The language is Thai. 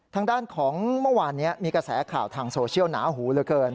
ทางด้านของเมื่อวานนี้มีกระแสข่าวทางโซเชียลหนาหูเหลือเกิน